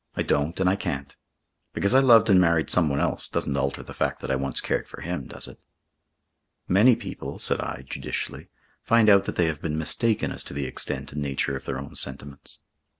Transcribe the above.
I don't and I can't. Because I loved and married someone else doesn't alter the fact that I once cared for him, does it?" "Many people," said I, judicially, "find out that they have been mistaken as to the extent and nature of their own sentiments."